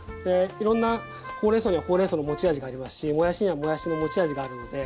いろんなほうれんそうにはほうれんそうの持ち味がありますしもやしにはもやしの持ち味があるので。